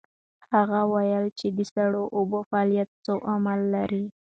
هغه وویل چې د سړو اوبو فعالیت څو عوامل لري.